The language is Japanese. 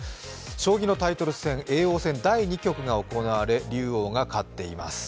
将棋のタイトル戦叡王戦第２局が行われ竜王が勝っています。